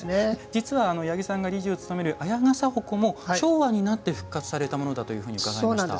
実は、八木さんが理事を務める綾傘鉾も昭和になって復活されたものだと伺いました。